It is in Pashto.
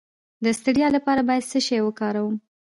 د ستړیا لپاره باید څه شی وکاروم؟